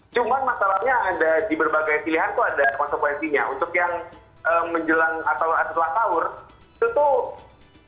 cuma masalahnya ada di berbagai pilihan tuh ada konsekuensinya untuk yang menjelang atau setelah sahur itu tuh